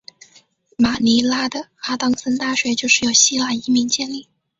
马尼拉的阿当森大学就是由希腊移民建立。